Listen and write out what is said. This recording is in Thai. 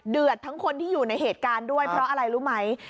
ทั้งคนที่อยู่ในเหตุการณ์ด้วยเพราะอะไรรู้ไหม